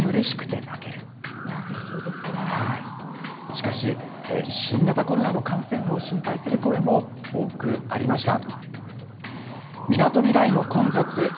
しかし新型コロナの感染を心配する声も多くありました。